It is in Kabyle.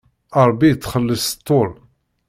Ṛebbi ittxelliṣ s ṭṭul.